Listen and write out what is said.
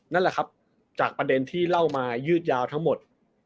นั่นแหละครับจากประเด็นที่เล่ามายืดยาวทั้งหมด